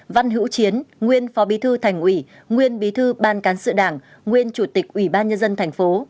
văn hữu chiến nguyên phó bí thư thành ủy nguyên bí thư ban cán sự đảng nguyên chủ tịch ủy ban nhân dân thành phố